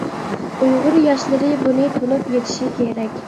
ئۇيغۇر ياشلىرى بۇنى تونۇپ يېتىشى كېرەك.